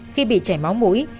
khi bị chảy máu mũi